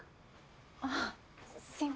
あっすいません。